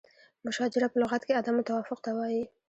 مشاجره په لغت کې عدم توافق ته وایي.